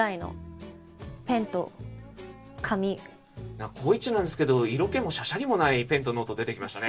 今日はこう言っちゃなんですけど色気もしゃしゃりもないペンとノート出てきましたね。